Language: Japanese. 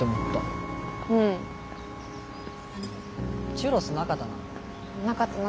チュロスなかったな。